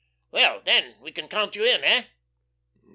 "Well, then, we can count you in, hey?"